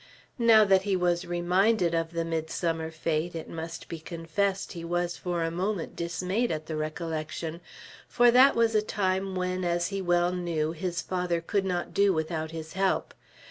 Now that he was reminded of the midsummer fete, it must be confessed he was for a moment dismayed at the recollection; for that was a time, when, as he well knew, his father could not do without his help.